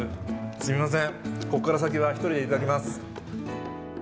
すみません、ここから先は、１人で頂きます。